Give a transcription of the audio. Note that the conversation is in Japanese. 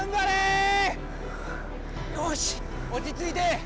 よし落ち着いて！